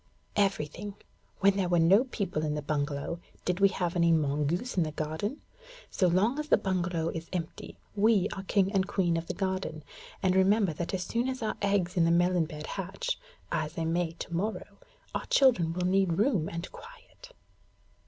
'Everything. When there were no people in the bungalow, did we have any mongoose in the garden? So long as the bungalow is empty, we are king and queen of the garden; and remember that as soon as our eggs in the melon bed hatch (as they may to morrow), our children will need room and quiet.'